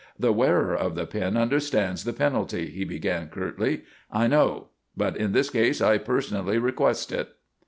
"The wearer of the pin understands the penalty," he began, curtly. "I know. But in this case I personally request it."